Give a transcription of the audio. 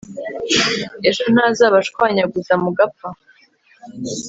ejo ntazabashwanyaguza mugapfa